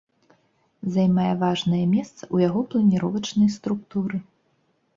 Займае важнае месца ў яго планіровачнай структуры.